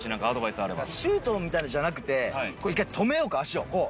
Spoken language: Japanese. シュートみたいのじゃなくて一回止めようか足をこう。